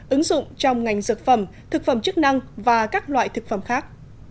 ứng dụng trong ngành dược phẩm thực phẩm chức năng và các loại thực phẩm khác